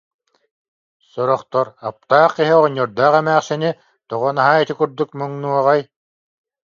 Сорохтор: «Аптаах киһи оҕонньордоох эмээхсини, тоҕо наһаа ити курдук муҥнуоҕай